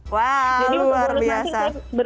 wow luar biasa